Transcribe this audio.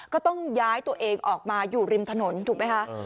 ก็ต้องย้ายตัวเองออกมาอยู่ริมถนนถูกไหมคะ